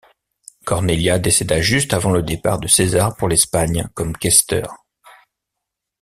Cornelia décéda juste avant le départ de César pour l'Espagne comme questeur.